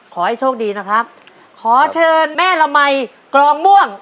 ขอให้โชคดีนะครับขอเชิญแม่ละมัยกรองม่วง